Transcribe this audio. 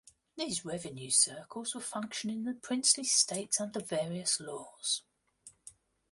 These revenue circles were functioning in the princely states under various laws.